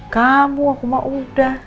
kamu aku mau udah